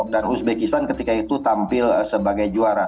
dan uzbekistan ketika itu tampil sebagai juara